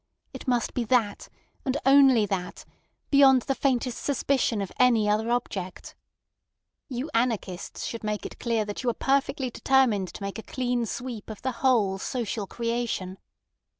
It must be that, and only that, beyond the faintest suspicion of any other object. You anarchists should make it clear that you are perfectly determined to make a clean sweep of the whole social creation.